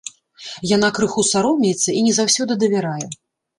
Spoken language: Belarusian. Яна крыху саромеецца і не заўсёды давярае.